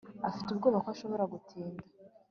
afite ubwoba ko ashobora gutinda